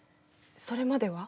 それまでは？